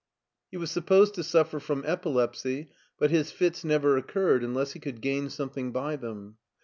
He was supposed to suffer from epilepsy, but his fits never occurred unless he could gain something by them.